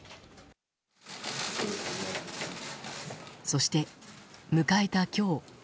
そして、迎えた今日。